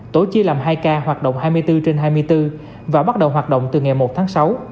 tổ chia làm hai k hoạt động hai mươi bốn trên hai mươi bốn và bắt đầu hoạt động từ ngày một tháng sáu